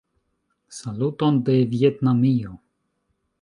Saluton de Vjetnamio!